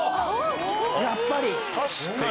やっぱり。